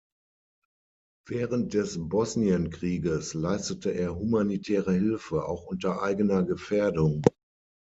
Während des Bosnienkrieges leistete er humanitäre Hilfe, auch unter eigener Gefährdung.